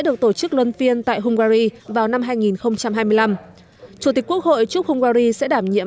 được tổ chức luân phiên tại hungary vào năm hai nghìn hai mươi năm chủ tịch quốc hội chúc hungary sẽ đảm nhiệm